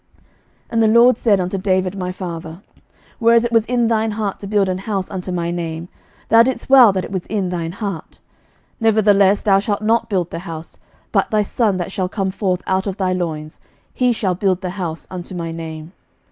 11:008:018 And the LORD said unto David my father, Whereas it was in thine heart to build an house unto my name, thou didst well that it was in thine heart. 11:008:019 Nevertheless thou shalt not build the house; but thy son that shall come forth out of thy loins, he shall build the house unto my name.